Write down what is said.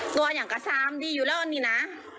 ตัวอย่างกระซามดีอยู่ร่อนดินะ